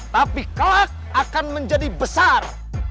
tapi kelak akan menjadi besar